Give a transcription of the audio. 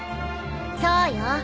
そうよ。